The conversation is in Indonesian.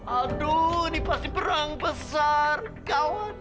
aduh ini pasti perang besar kawan